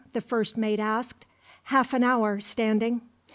the first mate asked. "Half an hour, Standing."